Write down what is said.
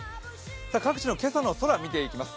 各地の今朝の空、見ていきます。